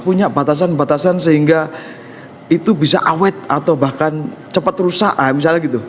punya batasan batasan sehingga itu bisa awet atau bahkan cepat rusak misalnya gitu